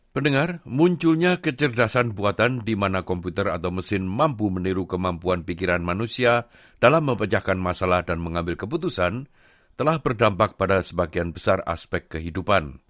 pendengar munculnya kecerdasan buatan di mana komputer atau mesin mampu meniru kemampuan pikiran manusia dalam mempecahkan masalah dan mengambil keputusan telah berdampak pada sebagian besar aspek kehidupan